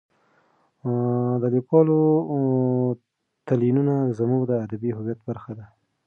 د لیکوالو تلینونه زموږ د ادبي هویت برخه ده.